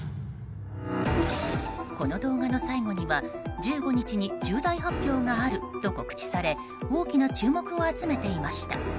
この動画の最後には１５日に重大発表があると告知され大きな注目を集めていました。